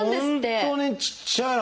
本当にちっちゃいな。